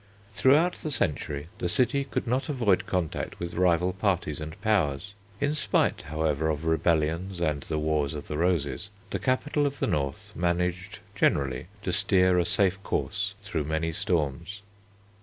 Throughout the century the city could not avoid contact with rival parties and powers. In spite, however, of rebellions and the Wars of the Roses, the capital of the north managed generally to steer a safe course through many storms.